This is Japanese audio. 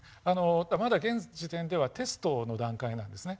まだ現時点ではテストの段階なんですね。